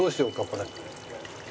これ。